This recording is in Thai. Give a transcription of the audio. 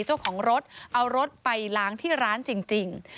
เจ้าของรถเอารถไปล้างที่ร้านจริง